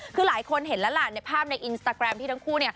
คือหลายคนเห็นแล้วล่ะในภาพในอินสตาแกรมที่ทั้งคู่